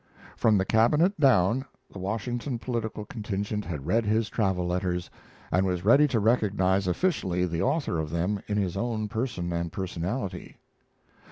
From the Cabinet down, the Washington political contingent had read his travel letters, and was ready to recognize officially the author of them in his own person and personality.